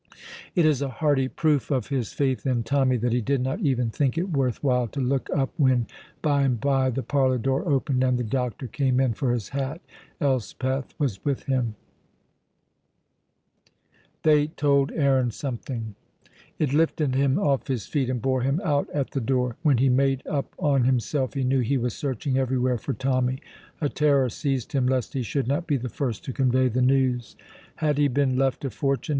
It is a hardy proof of his faith in Tommy that he did not even think it worth while to look up when, by and by, the parlour door opened and the doctor came in for his hat. Elspeth was with him. [Illustration: They told Aaron something.] They told Aaron something. It lifted him off his feet and bore him out at the door. When he made up on himself he knew he was searching everywhere for Tommy. A terror seized him, lest he should not be the first to convey the news. Had he been left a fortune?